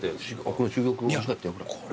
この珠玉おいしかったよ。